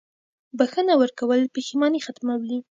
• بښنه ورکول پښېماني ختموي.